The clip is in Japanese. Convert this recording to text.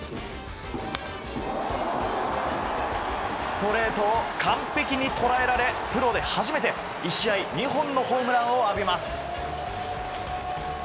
ストレートを完璧に捉えられプロで初めて１試合２本のホームランを浴びます。